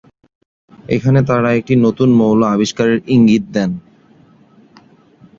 এখানে তারা একটি নতুন মৌল আবিষ্কারের ইঙ্গিত দেন।